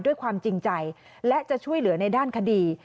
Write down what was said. ด้วยความจริงใจและจะช่วยเหลือในด้านคดี